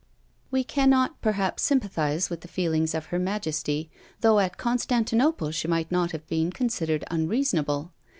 We cannot perhaps sympathise with the feelings of her majesty, though at Constantinople she might not have been considered unreasonable.